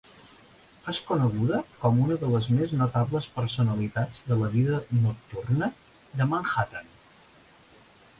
És coneguda com una de les més notables personalitats de la vida nocturna de Manhattan.